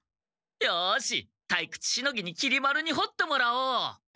よしたいくつしのぎにきり丸に掘ってもらおう！